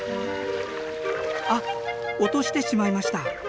あっ落としてしまいました。